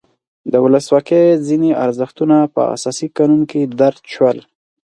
د ولسواکۍ ځینې ارزښتونه په اساسي قانون کې درج شول.